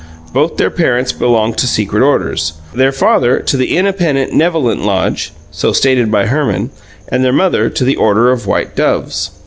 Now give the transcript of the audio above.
Both their parents belonged to secret orders, their father to the Innapenent 'Nevolent Lodge (so stated by Herman) and their mother to the Order of White Doves.